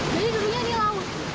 jadi dunia ini laut